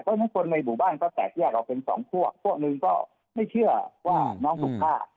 ก็มีคนในบุบันก็แตกแยกเอาเป็นสองพวกพวกหนึ่งก็ไม่เชื่อว่าน้องถูกฆ่า